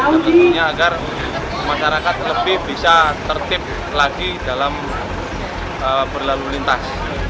dan tentunya agar masyarakat lebih bisa tertip lagi dalam berlalu lintas